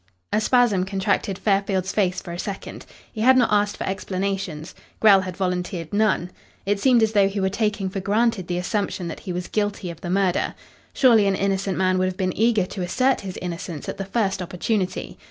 A spasm contracted Fairfield's face for a second. He had not asked for explanations. Grell had volunteered none. It seemed as though he were taking for granted the assumption that he was guilty of the murder. Surely an innocent man would have been eager to assert his innocence at the first opportunity.